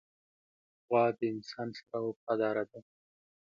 غوا د انسان سره وفاداره ده.